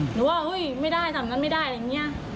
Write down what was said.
หรือว่าเฮ้ยไม่ได้สำนั้นไม่ได้อย่างเงี้ย